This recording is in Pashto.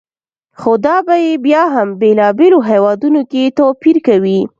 خو دا بیې بیا هم بېلابېلو هېوادونو کې توپیر کوي.